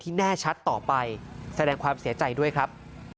แน่ชัดต่อไปแสดงความเสียใจด้วยครับ